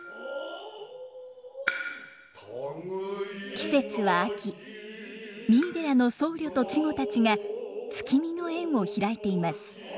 季節は秋三井寺の僧侶と稚児たちが月見の宴を開いています。